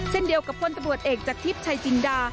เช่นเดียวกับพลตำรวจเอกจากทิพย์ชัยจินดา